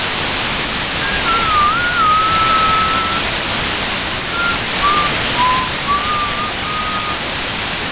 你將學會如何推理與舉證